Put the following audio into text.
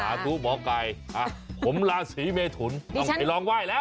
ธุหมอไก่ผมลาศรีเมถุนต้องไปลองไหว้แล้ว